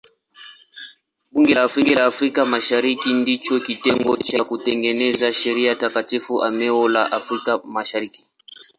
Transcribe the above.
Bunge la Afrika Mashariki ndicho kitengo cha kutengeneza sheria katika eneo la Afrika Mashariki.